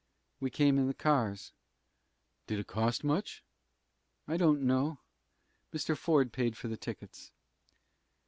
"We came in the cars." "Did it cost much?" "I don't know. Mr. Ford paid for the tickets."